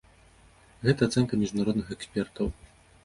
Гэта ацэнка міжнародных экспертаў.